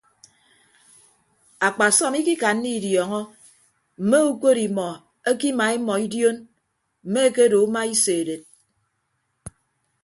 Akpasọm ikikanna idiọọñọ mme ukod imọ ekima imọ idion mme ekedo uma iso edet.